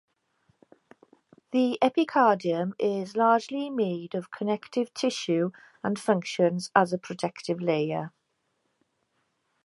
The epicardium is largely made of connective tissue and functions as a protective layer.